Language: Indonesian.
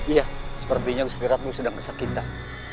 iya sepertinya gusti ratu sedang kesakitan